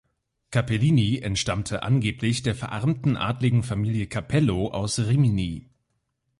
Capellini entstammte angeblich der verarmten adligen Familie Cappello aus Rimini.